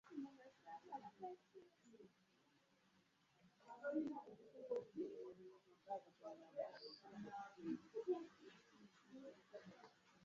Mukyala Lutaaya afubye nnyo okuzimba omwami we.